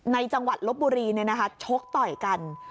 ในจังหวัดรบบุรีเนี่ยนะคะโชกต่อยกัน